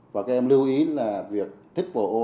và các em lưu ý là việc thích bỏ ô